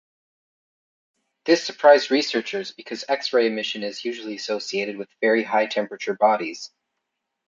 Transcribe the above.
This surprised researchers, because X-ray emission is usually associated with very high-temperature bodies.